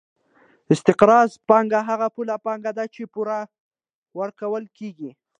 استقراضي پانګه هغه پولي پانګه ده چې پور ورکول کېږي